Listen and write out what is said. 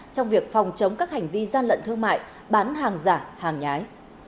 trong việc phòng chống các hành vi gian lận thương mại bán hàng giả hàng nhái